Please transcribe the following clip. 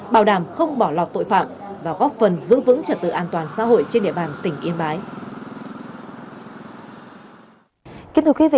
bảo đảm không bỏ lọt tội phạm và góp phần giữ vững trật tự an toàn xã hội trên địa bàn tỉnh yên bái